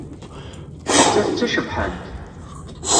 Nettat d tacebḥant.